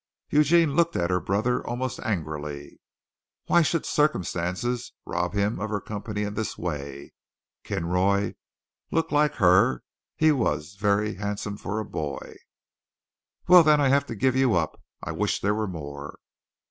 Eugene looked at her brother almost angrily. Why should circumstances rob him of her company in this way? Kinroy looked like her he was very handsome for a boy. "Well, then, I have to give you up. I wish there were more."